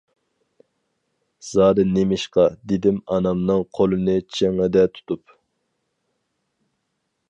زادى نېمىشقا-دېدىم ئانامنىڭ قولىنى چىڭڭىدە تۇتۇپ.